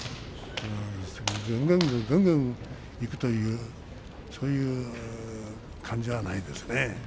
ぐんぐんぐんぐんいくというそういう感じはないですね。